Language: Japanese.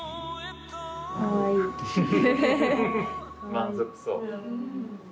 満足そう。